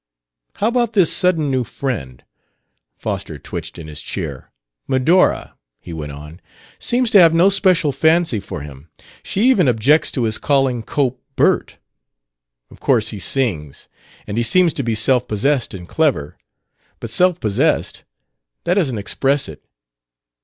"How about this sudden new friend?" Foster twitched in his chair. "Medora," he went on, "seems to have no special fancy for him. She even objects to his calling Cope 'Bert.' Of course he sings. And he seems to be self possessed and clever. But 'self possessed' that doesn't express it.